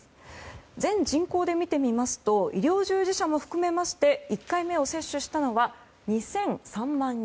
全人口で見てみますと医療従事者も含めまして１回目を接種したのは２００３万人。